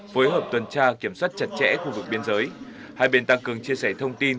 phối hợp tuần tra kiểm soát chặt chẽ khu vực biên giới hai bên tăng cường chia sẻ thông tin